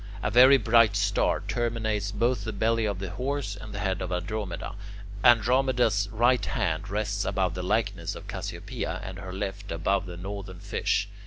A very bright star terminates both the belly of the Horse and the head of Andromeda. Andromeda's right hand rests above the likeness of Cassiopea, and her left above the Northern Fish.